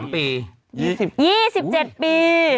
๒๗ปี